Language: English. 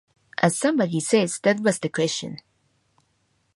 As somebody says, that was the question.